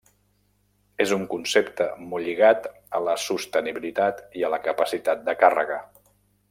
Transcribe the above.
És un concepte molt lligat a la sostenibilitat i a la capacitat de càrrega.